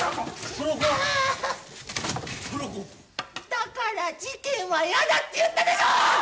だから事件は嫌だって言ったでしょ！